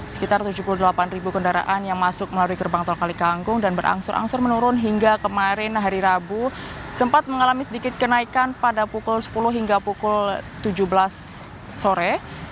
sekitar tujuh puluh delapan ribu kendaraan yang masuk melalui gerbang tol kalikangkung dan berangsur angsur menurun hingga kemarin hari rabu sempat mengalami sedikit kenaikan pada pukul sepuluh hingga pukul tujuh belas sore